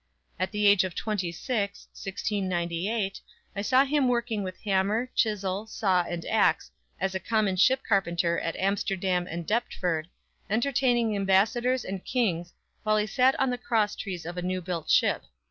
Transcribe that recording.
At the age of twenty six, 1698, I saw him working with hammer, chisel, saw and axe as a common ship carpenter at Amsterdam and Deptford, entertaining ambassadors and kings, while he sat on the crosstrees of a new built ship.